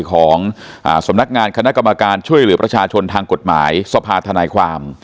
ของสำนักงานคณะกรรมการช่วยเหลือประชาชนทางกฎหมายสภาธนายความ